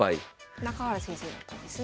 中原先生だったんですね。